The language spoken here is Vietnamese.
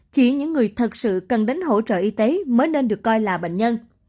chỉ những người thật sự cần đến hỗ trợ y tế mới nên được coi là bệnh nhân